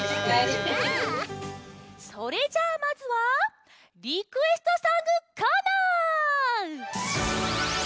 それじゃあまずは「リクエストソングコーナー」！